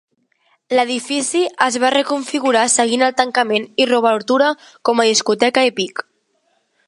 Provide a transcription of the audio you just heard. L'edifici es va reconfigurar seguint el tancament i reobertura com a discoteca Epic.